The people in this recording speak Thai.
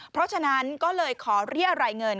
เพราะฉะนั้นก็เลยขอเรียรายเงิน